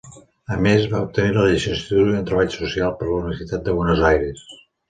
A més va obtenir la llicenciatura en treball social per la Universitat de Buenos Aires.